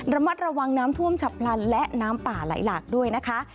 ระมัดระวังน้ำท่วมฉับพลันและน้ำป่าไหลหลากด้วยนะคะ